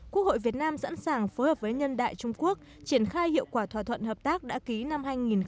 quốc hội việt nam sẵn sàng phối hợp với nhân đại trung quốc triển khai hiệu quả thỏa thuận hợp tác đã ký năm hai nghìn một mươi năm